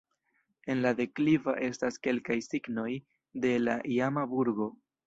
En la dekliva estas kelkaj signoj de la iama burgo.